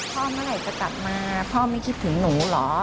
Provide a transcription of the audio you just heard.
เมื่อไหร่จะกลับมาพ่อไม่คิดถึงหนูเหรอ